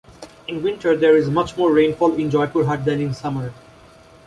In Winter there is much more rainfall in "Joypurhat" than in Summer.